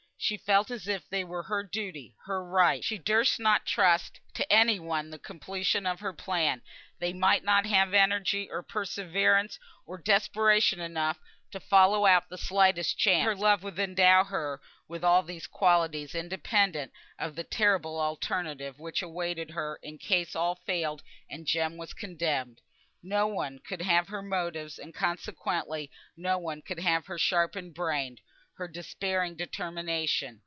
She felt as if they were her duty, her right. She durst not trust to any one the completion of her plan; they might not have energy, or perseverance, or desperation enough to follow out the slightest chance; and her love would endow her with all these qualities, independently of the terrible alternative which awaited her in case all failed and Jem was condemned. No one could have her motives; and consequently no one could have her sharpened brain, her despairing determination.